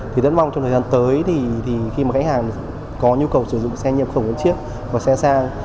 thì rất mong trong thời gian tới thì khi mà khách hàng có nhu cầu sử dụng xe nhập khẩu đến chiếc và xe sang